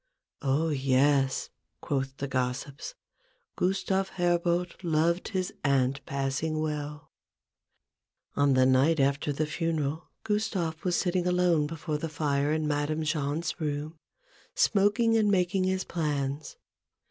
" Oh, yes," (quoth the gossips), " Gustave Herbout loved his aunt passing well !" On the night after the funeral, Gustave was sitting alone before the fire in Madame Jahn's room, smoking and making his plans.